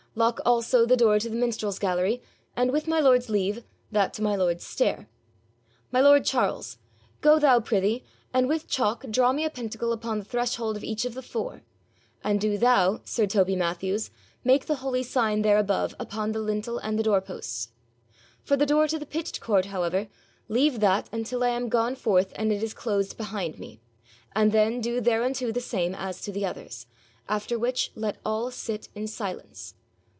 Lock also the door to the minstrels' gallery, and, with my lord's leave, that to my lord's stair. My lord Charles, go thou prithee, and with chalk draw me a pentacle upon the threshold of each of the four; and do thou, sir Toby Mathews, make the holy sign thereabove upon the lintel and the doorposts. For the door to the pitched court, however, leave that until I am gone forth and it is closed behind me, and then do thereunto the same as to the others, after which let all sit in silence.